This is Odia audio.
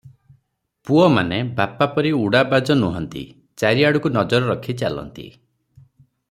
ପୁଅମାନେ ବାପା ପରି ଉଡ଼ାବାଜ ନୁହନ୍ତି, ଚାରିଆଡ଼କୁ ନଜର ରଖି ଚାଲନ୍ତି ।